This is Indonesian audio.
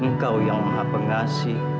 engkau yang maha pengasih